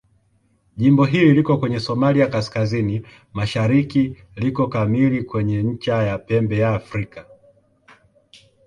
Jimbo hili liko kwenye Somalia kaskazini-mashariki liko kamili kwenye ncha ya Pembe la Afrika.